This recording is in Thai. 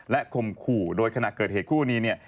และขมขู่โดยขณะเกิดเหตุคู่นี้